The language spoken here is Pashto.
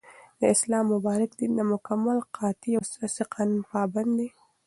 داسلام مبارك دين دمكمل ، قاطع او اساسي قانون پابند دى